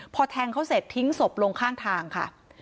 พอแทงเขาเสร็จทิ้งศพลงข้างทางค่ะ